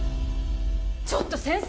ちょっと先生！